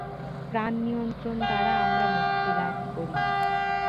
প্রাণ-নিয়ন্ত্রণ দ্বারা আমরা মুক্তি লাভ করি।